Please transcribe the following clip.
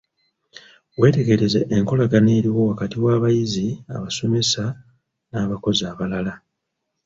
Wetegereza enkolagana eriwo wakati w'abayizi, abasomesa n'abakozi abalala.